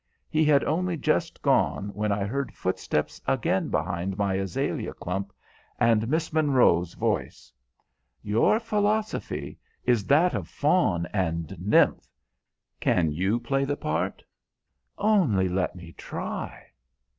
He had only just gone when I heard footsteps again behind my azalea clump, and Miss Monroy's voice. "Your philosophy is that of faun and nymph. Can you play the part?" "Only let me try."